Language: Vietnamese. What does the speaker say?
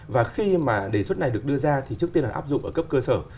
và khi mà đề xuất này được đưa ra thì trước tiên là áp dụng ở cấp cơ sở